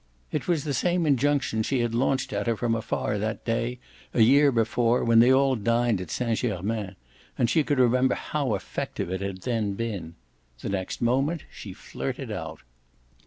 It was the same injunction she had launched at her from afar that day, a year before, when they all dined at Saint Germain, and she could remember how effective it had then been. The next moment she flirted out.